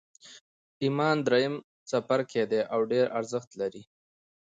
ایمان درېیم څپرکی دی او ډېر ارزښت لري